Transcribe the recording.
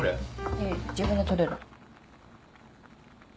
いい自分で取れる。